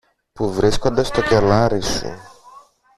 που βρίσκονται στο κελάρι σου